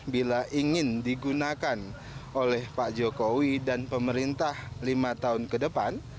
bila ingin digunakan oleh pak jokowi dan pemerintah lima tahun ke depan